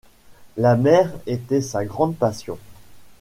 La mer était sa grande passion.